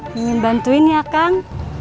mimin bantuin ya kang